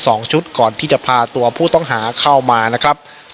สองชุดก่อนที่จะพาตัวผู้ต้องหาเข้ามานะครับ